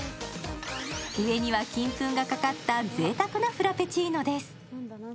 上には金粉がかかったぜいたくなフラペチーノです。